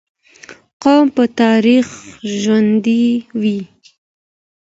قوم په تاريخ ژوندي وي.